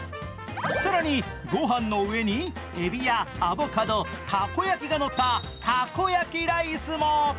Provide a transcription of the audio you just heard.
更に、御飯の上にえびやアボカド、たこ焼きがのったたこ焼きライスも。